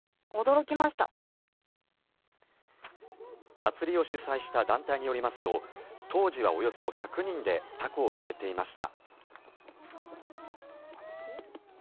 祭りを主催した団体によりますと当時はおよそ１００人で凧を揚げていました。